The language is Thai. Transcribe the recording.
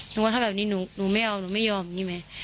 ว่าถ้าแบบนี้หนูไม่เอาหนูไม่ยอมอย่างนี้ไหม